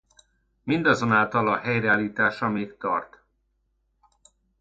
Mindazonáltal a helyreállítása még tart.